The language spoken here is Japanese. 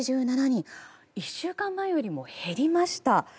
１週間前よりも減りました。